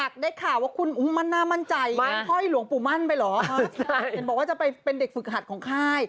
พริกซี่เลี่ยงค่ะ